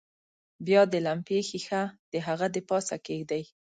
بیا د لمپې ښيښه د هغه د پاسه کیږدئ.